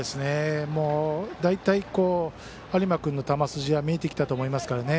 大体、有馬君の球筋見えてきたと思いますからね。